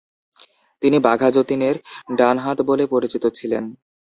তিনি বাঘাযতীনের ডানহাত বলে পরিচিত ছিলেন।